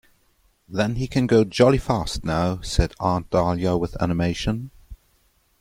"Then he can go jolly fast now," said Aunt Dahlia with animation.